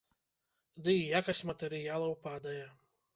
Да і якасць матэрыялаў падае.